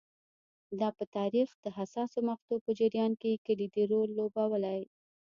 دا په تاریخ د حساسو مقطعو په جریان کې کلیدي رول لوبولی